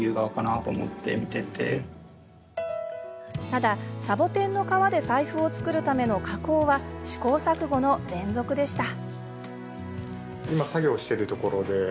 ただ、サボテンの革で財布を作るための加工は試行錯誤の連続でした。